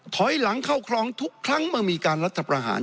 ถอยหลังเข้าคลองทุกครั้งเมื่อมีการรัฐประหาร